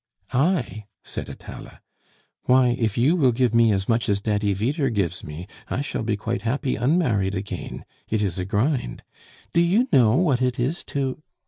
"I?" said Atala. "Why, if you will give me as much as Daddy Vyder gives me, I shall be quite happy unmarried again. It is a grind. Do you know what it is to